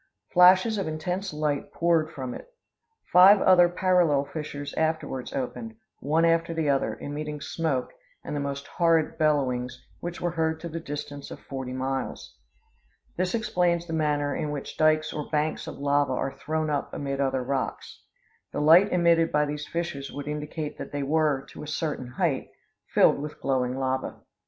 Flashes of intense light poured from it. Five other parallel fissures afterwards opened, one after the other, emitting smoke, and the most horrid bellowings, which were heard to the distance of forty miles. This explains the manner in which dykes or banks of lava are thrown up amid other rocks. The light emitted by these fissures would indicate that they were, to a certain height, filled with glowing lava.